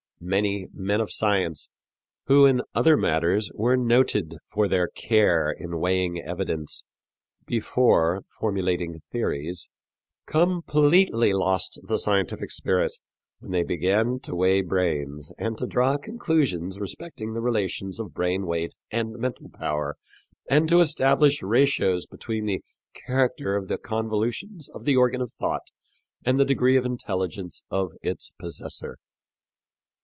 Many men of science who, in other matters, were noted for their care in weighing evidence, before formulating theories, completely lost the scientific spirit when they began to weigh brains and to draw conclusions respecting the relations of brain weight and mental power, and to establish ratios between the character of the convolutions of the organ of thought and the degree of intelligence of its possessor.